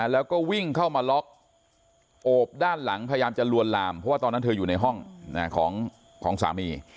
แล้วก็วิ่งเข้ามาล็อกโอบด้านหลังพยายามจะลวนลามเพราะว่าตอนนั้นเธออยู่ในห้องของสามี